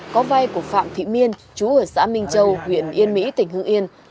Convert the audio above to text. có vay của phạm thị miên chú ở xã minh châu huyện yên mỹ tỉnh hương yên